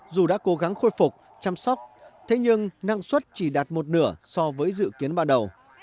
dù đã cố gắng khôi phục chăm sóc thế nhưng năng suất chỉ đạt một nửa so với dự kiến ban đầu